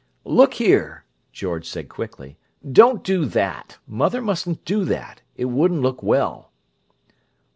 "Look here!" George said quickly. "Don't do that! Mother mustn't do that. It wouldn't look well."